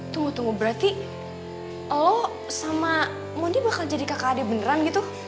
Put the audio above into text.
tunggu tunggu berarti lo sama mony bakal jadi kakak adik beneran gitu